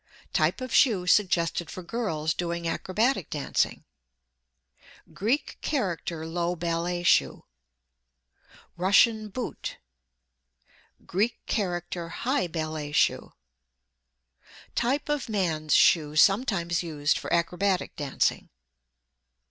TYPE OF SHOE SUGGESTED FOR GIRLS DOING ACROBATIC DANCING. "GREEK CHARACTER" LOW BALLET SHOE. RUSSIAN BOOT. "GREEK CHARACTER" HIGH BALLET SHOE. TYPE OF MAN'S SHOE SOMETIMES USED FOR ACROBATIC DANCING.